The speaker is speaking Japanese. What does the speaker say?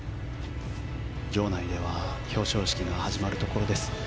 場内では表彰式が始まるところです。